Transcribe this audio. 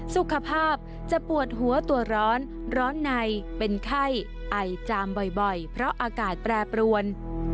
สุขภาพจะปวดหัวตัวร้อนร้อนในเป็นไข้ไอจามบ่อยเพราะอากาศแปรปรวน